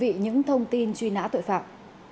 kính chào quý vị và các bạn